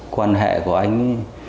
quan hệ của anh